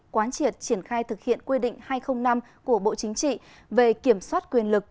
quán triệt triển khai thực hiện quy định hai trăm linh năm của bộ chính trị về kiểm soát quyền lực